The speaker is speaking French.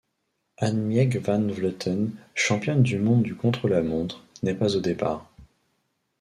Annemiek van Vleuten, championne du monde du contre-la-montre, n'est pas au départ.